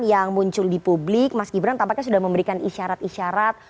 yang muncul di publik mas gibran tampaknya sudah memberikan isyarat isyarat